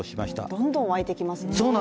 どんどん沸いてきますね。